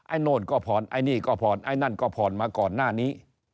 โน่นก็ผ่อนไอ้นี่ก็ผ่อนไอ้นั่นก็ผ่อนมาก่อนหน้านี้